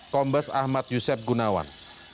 kombes ahmad yusef gunawan